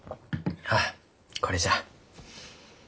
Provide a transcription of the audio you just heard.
あこれじゃ。